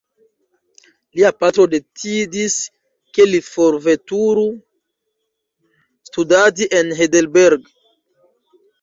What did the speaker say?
Lia patro decidis, ke li forveturu studadi en Heidelberg.